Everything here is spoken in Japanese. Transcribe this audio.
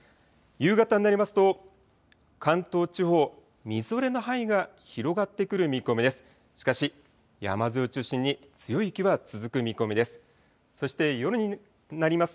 夕方になりますと関東地方、みぞれの範囲が広がってくる見込みです。